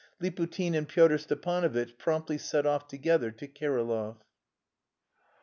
Liputin and Pyotr Stepanovitch promptly set off together to Kirillov.